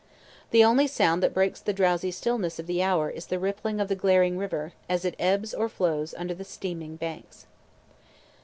The only sound that breaks the drowsy stillness of the hour is the rippling of the glaring river as it ebbs or flows under the steaming banks.